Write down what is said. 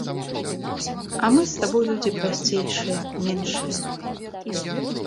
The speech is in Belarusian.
А мы з табой людзі прасцейшыя, меншыя.